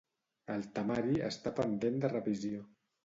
El temari està pendent de revisió.